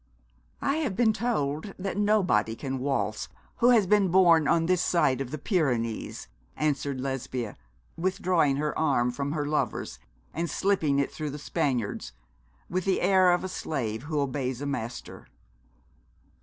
'I have been told that nobody can waltz who has been born on this side of the Pyrenees,' answered Lesbia, withdrawing her arm from her lover's, and slipping, it through the Spaniard's, with the air of a slave who obeys a master.